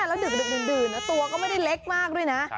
แล้วดึกดื่นตัวก็ไม่ได้เล็กมากด้วยนะ